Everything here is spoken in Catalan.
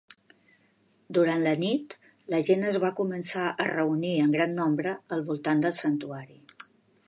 Durant la nit, la gent es va començar a reunir en gran nombre al voltant del santuari.